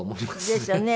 ですよね。